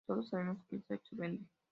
Todos sabemos que el sexo vende".